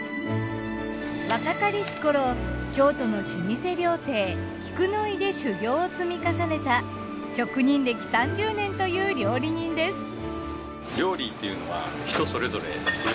若かりし頃京都の老舗料亭菊乃井で修業を積み重ねた職人歴３０年という料理人です。